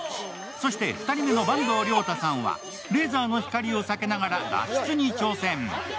そして２人目の坂東龍汰さんは、レーザーの光を避けながら脱出に挑戦。